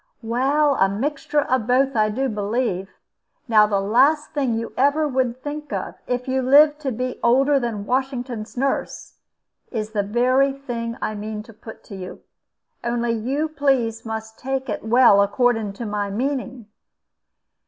"Well, a mixture of both, I do believe. Now the last thing you ever would think of, if you lived to be older than Washington's nurse, is the very thing I mean to put to you. Only you must please to take it well, according to my meaning.